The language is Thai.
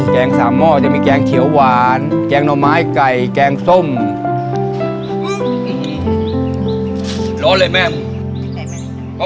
แกงสามหม้อจะมีแกงเขียวหวานแกงหน่อไม้ไก่แกงโซ่ที่อ่ะ